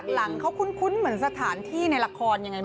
ฉากหลังเขาคุ้นเหมือนสถานที่ในละครอย่างนั้น